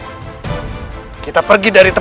aku bisa melepaskan diriku